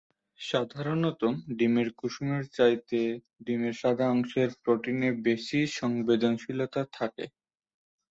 সাধারণত, ডিমের কুসুম এর চাইতে ডিমের সাদা অংশের প্রোটিনে বেশি সংবেদনশীলতা থাকে।